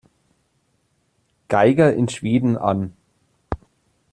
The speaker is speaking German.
Geiger in Schweden an.